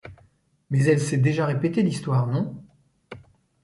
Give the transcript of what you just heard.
Mais elle s’est déjà répétée, l’histoire, non ?